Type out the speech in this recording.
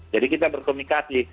jadi kita berkomunikasi